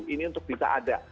ini untuk bisa ada